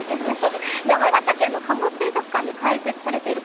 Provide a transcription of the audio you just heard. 山形県の加茂水族館で解説されています。